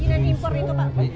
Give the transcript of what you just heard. ijinan impor itu pak